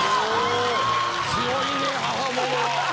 強いね母ものは。